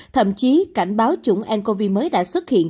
thậm chí cảnh báo chủng ncov mới đã xuất hiện